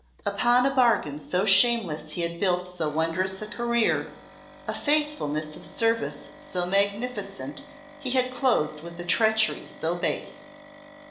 Upon a bargain so shameless he had built so wondrous a career a faithfulness of service so magnificent he had closed with a treachery so base.